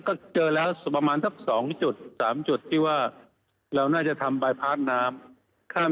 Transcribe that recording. ก็จะเจอแล้วประมาณสัก๒๓จุดที่เราน่าจะทำบายพาร์ดน้ำ